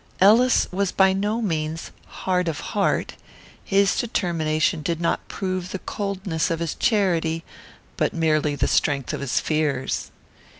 Ellis was by no means hard of heart. His determination did not prove the coldness of his charity, but merely the strength of his fears.